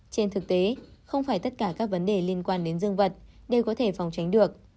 trên thực tế không phải tất cả các vấn đề liên quan đến dương vật đều có thể phòng tránh được